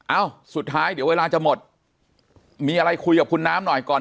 เอ้าสุดท้ายเดี๋ยวเวลาจะหมดมีอะไรคุยกับคุณน้ำหน่อยก่อน